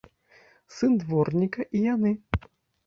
Сын дворніка і яны.